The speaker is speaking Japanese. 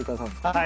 はい。